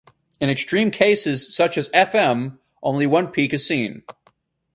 In extreme cases such as Fm, only one peak is seen.